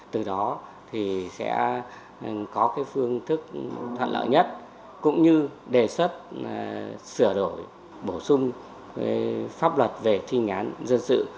từ đó thì sẽ có phương thức thuận lợi nhất cũng như đề xuất sửa đổi bổ sung pháp luật về thi hành án dân sự